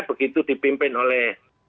begitu dipimpin oleh